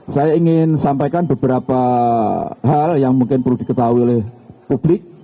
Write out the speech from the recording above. saya ingin sampaikan beberapa hal yang mungkin perlu diketahui oleh publik